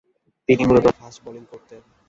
তিনি মূলতঃ fast bowling করতেন।